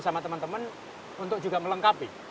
sama teman teman untuk juga melengkapi